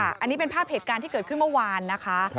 อันนี้เป็นภาพเหตุการณ์ที่เกิดขึ้นเมื่อวานนะคะ